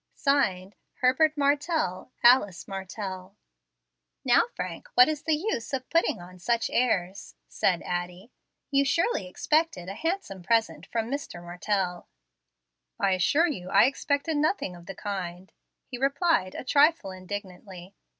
"(Signed) HERBERT MARTELL, ALICE MARTELL." "Now, Frank, what is the use of putting on such airs?" said Addie. "You surely expected a handsome present from Mr. Martell." "I assure you, I expected nothing of the kind," he replied, a trifle indignantly.